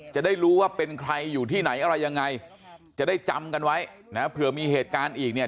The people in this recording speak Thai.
จะได้รู้ว่าเป็นใครอยู่ที่ไหนอะไรยังไงจะได้จำกันไว้นะเผื่อมีเหตุการณ์อีกเนี่ย